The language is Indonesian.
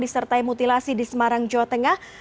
disertai mutilasi di semarang jawa tengah